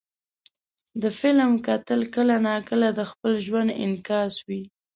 د فلم کتل کله ناکله د خپل ژوند انعکاس وي.